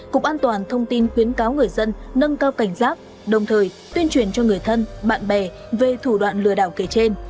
cục an toàn thông tin khuyến cáo người dân nâng cao cảnh giác đồng thời tuyên truyền cho người thân bạn bè về thủ đoạn lừa đảo kể trên